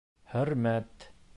— Хөрмәт!